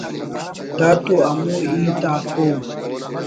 دا تو ہمو ہیت آک ءُ